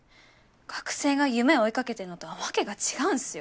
学生が夢を追いかけてるのとは訳が違うんすよ。